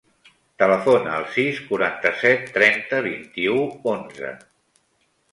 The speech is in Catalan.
Telefona al sis, quaranta-set, trenta, vint-i-u, onze.